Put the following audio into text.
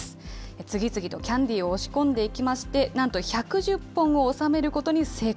次々とキャンディーを押し込んでいきまして、なんと１１０本を収めることに成功。